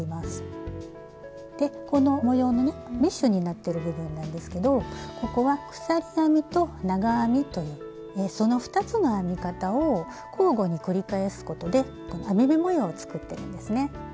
でこの模様のねメッシュになってる部分なんですけどここは鎖編みと長編みというその２つの編み方を交互に繰り返すことで網目模様を作ってるんですね。